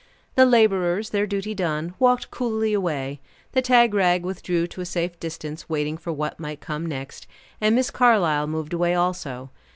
The laborers, their duty done, walked coolly away; the tagrag withdrew to a safe distance, waiting for what might come next; and Miss Carlyle moved away also.